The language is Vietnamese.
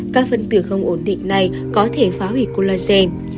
các phân tử không ổn định này có thể phá hủy cologen